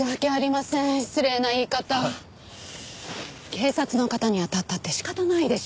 警察の方に当たったって仕方ないでしょ。